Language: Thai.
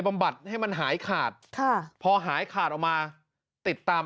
บัดให้มันหายขาดค่ะพอหายขาดออกมาติดตาม